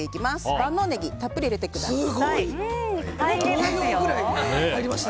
万能ネギたっぷり入れてください。